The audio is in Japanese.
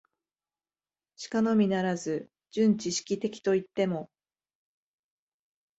しかのみならず、純知識的といっても、